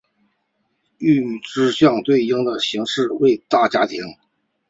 与之相对应的形式为大家庭。